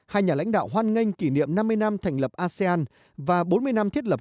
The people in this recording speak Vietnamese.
hai nhà lãnh đạo hoan nghênh kỷ niệm năm mươi năm thành lập asean và bốn mươi năm thiết lập